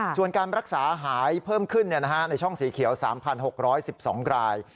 ส่วนการรักษาหายเพิ่มขึ้นในช่องสีเขียว๓๖๑๒ราย